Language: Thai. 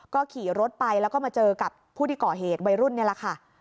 ก็ขี่รถไปแล้วก็มาเจอกับผู้ที่ก่อเหตุวัยรุ่นนี่แหละค่ะ